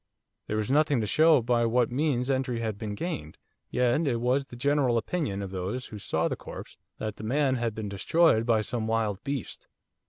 There was nothing to show by what means entry had been gained. Yet it was the general opinion of those who saw the corpse that the man had been destroyed by some wild beast.